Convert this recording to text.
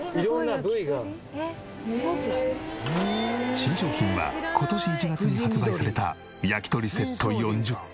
新商品は今年１月に発売された焼き鳥セット４０本。